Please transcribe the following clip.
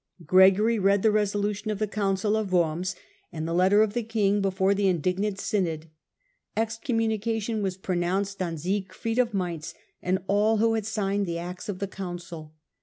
Gregory read the resolution of the Council of Worms and the letter of the king before the indignant synod. Excommunication was pronounced on Siegfried of Mainz and all who had signed the acts of the council.